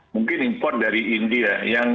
mungkin import dari india